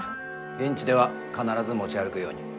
現地では必ず持ち歩くように。